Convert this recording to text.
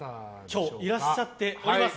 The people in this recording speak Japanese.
今日いらっしゃっております。